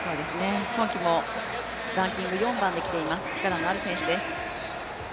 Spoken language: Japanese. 今季もランキング４番で来ています、力のある選手です。